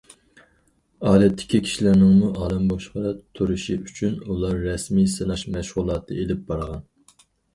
ئادەتتىكى كىشىلەرنىڭمۇ ئالەم بوشلۇقىدا تۇرۇشى ئۈچۈن، ئۇلار رەسمىي سىناش مەشغۇلاتى ئېلىپ بارغان.